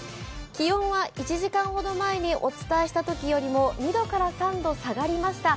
気温は１時間ほど前にお伝えしたときよりも２度から３度下がりました。